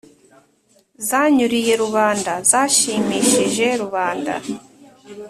zanyuriye rubanda: zashimishije rubanda